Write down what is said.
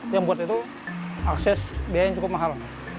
yang buat itu akses biaya yang cukup mahal